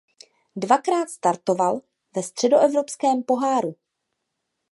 Dvakrát startoval ve Středoevropském poháru.